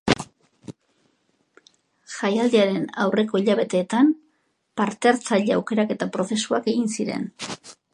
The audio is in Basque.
Jaialdiaren aurreko hilabeteetan parte-hartzaile aukeraketa prozesuak egin ziren.